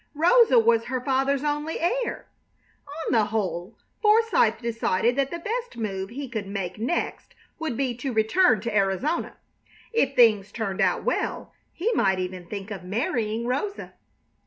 Rosa was her father's only heir. On the whole, Forsythe decided that the best move he could make next would be to return to Arizona. If things turned out well he might even think of marrying Rosa.